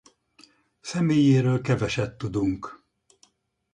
Személyéről keveset tudunk.